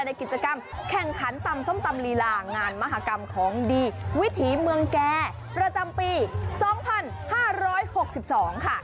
ในกิจกรรมแข่งขันตำส้มตำลีลางานมหากรรมของดีวิถีเมืองแก่ประจำปี๒๕๖๒ค่ะ